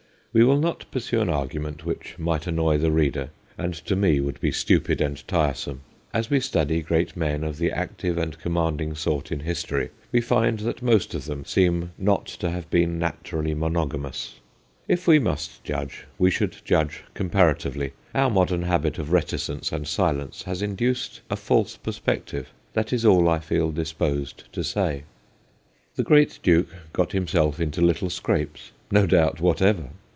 We will not pursue an argu ment which might annoy the reader, and to me would be stupid and tiresome. As we study great men of the active and command ing sort in history, we find that most of them seem not to have been naturally mono gamous ; if we must judge, we should judge comparatively ; our modern habit of reticence and silence has induced a false perspective : that is all I feel disposed to say. The great 172 THE GHOSTS OF PICCADILLY Duke got himself into little scrapes, no doubt whatever.